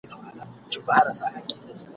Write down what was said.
قضاوت به د ظالم په ژبه کیږي ..